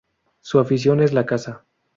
Su afición es la caza.